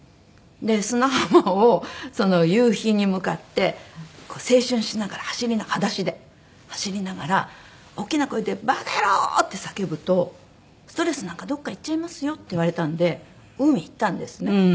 「砂浜を夕日に向かってこう青春しながら裸足で走りながら大きな声で“バカ野郎！”って叫ぶとストレスなんかどっかいっちゃいますよ」って言われたんで海行ったんですね。